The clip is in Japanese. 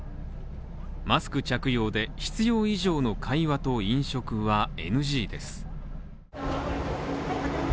マスク着用で、必要以上の会話と飲食はＮＧです。